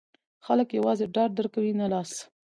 خلګ یوازې ډاډ درکوي، لاس نه.